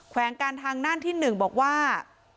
แวงการทางน่านที่๑บอกว่า